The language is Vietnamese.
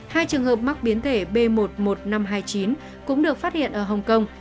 hai trường hợp mắc biến thể b một mươi một nghìn năm trăm hai mươi chín cũng được phát hiện ở hồng kông